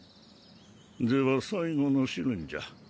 では最後の試練じゃ。